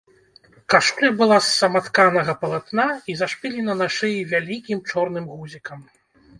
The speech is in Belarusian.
Кашуля была з саматканага палатна і зашпілена на шыі вялікім чорным гузікам.